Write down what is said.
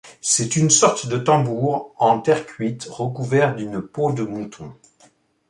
C'est une sorte de tambour en terre cuite recouvert d'une peau de mouton.